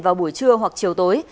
vào buổi trưa hoặc chiều tối